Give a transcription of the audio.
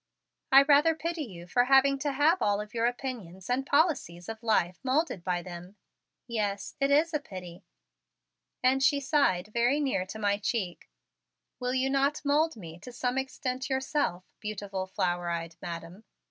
I rather pity you for having to have all of your opinions and policies of life moulded by them. Yes, it is a pity." And she sighed very near to my cheek. "Will you not mould me to some extent yourself, beautiful flower eyed Madam?"